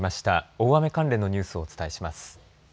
大雨関連のニュースをお伝えします。